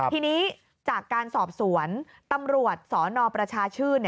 ทีนี้จากการสอบสวนตำรวจสนประชาชื่น